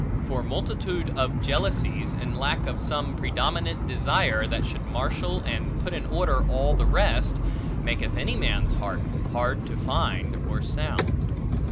For multitude of jealousies, and lack of some predominant desire, that should marshal and put in order all the rest, maketh any man's heart, hard to find or sound.